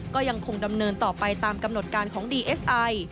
ก็ยังคงดำเนินต่อไปตามกำหนดการของดีเอสไอ